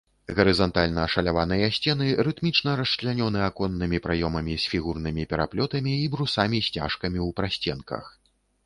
Гарызантальна ашаляваныя сцены рытмічна расчлянёны аконнымі праёмамі з фігурнымі пераплётамі і брусамі-сцяжкамі ў прасценках.